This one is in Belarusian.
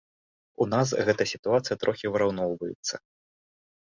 У нас гэта сітуацыя трохі выраўноўваецца.